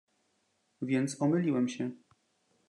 "więc omyliłem się!"